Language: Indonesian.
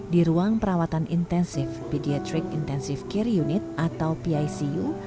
di ruang perawatan intensif bidiatric intensive care unit atau picu